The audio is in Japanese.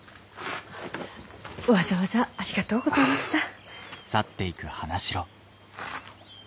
わざわざありがとうございました。